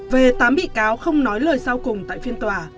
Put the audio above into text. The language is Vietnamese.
về tám bị cáo không nói lời sau cùng tại phiên tòa